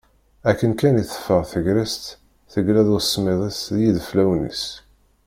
Akken kan i teffeɣ tegrest, tegla s usemmiḍ-is d yideflawen-is.